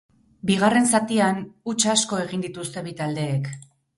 Bigarren zatian, huts asko egin dituzte bi taldeek.